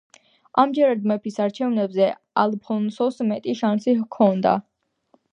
ამჯერად მეფის არჩევნებზე ალფონსოს მეტი შანსი ჰქონდა.